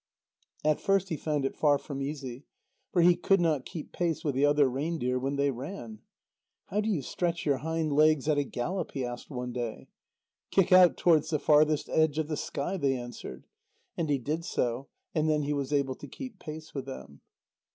At first he found it far from easy, for he could not keep pace with the other reindeer when they ran. "How do you stretch your hind legs at a gallop?" he asked one day. "Kick out towards the farthest edge of the sky," they answered. And he did so, and then he was able to keep pace with them.